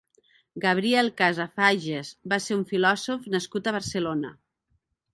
Gabriel Casafages va ser un filòsof nascut a Barcelona.